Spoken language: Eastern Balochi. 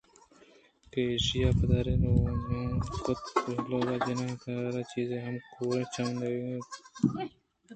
کہ ایشاں یدّارے نول کُتءُ ہولیگ جنان ءَ تلار ءِ چیرا ہما کوریں چمّ ءِ نیمگ ءَ اتک اَنتءُ آ نشانگ بَست ءُ کُشت